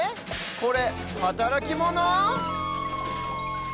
これはたらきモノ？